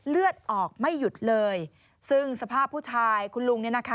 เลือดออกไม่หยุดเลยซึ่งสภาพผู้ชายคุณลุงเนี่ยนะคะ